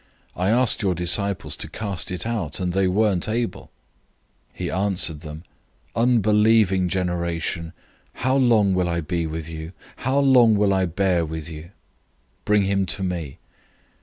I asked your disciples to cast it out, and they weren't able." 009:019 He answered him, "Unbelieving generation, how long shall I be with you? How long shall I bear with you? Bring him to me."